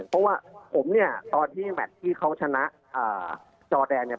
เพราะว่าผมเนี่ยตอนที่แมทที่เขาชนะจอแดนเนี่ย